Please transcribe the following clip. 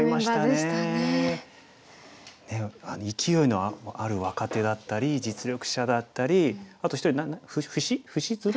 ねえ勢いのある若手だったり実力者だったりあと１人不死不死鶴？